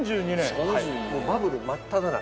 バブル真っただ中。